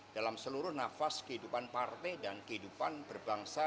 dalam seluruh nafas kehidupan partai dan kehidupan berbangsa